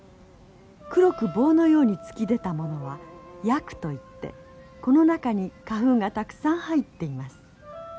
黒く棒のように突き出たものは葯といってこの中に花粉がたくさん入っています。